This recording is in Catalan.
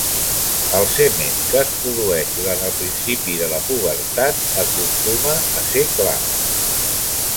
El semen que es produeix durant el principi de la pubertat acostuma a ser clar.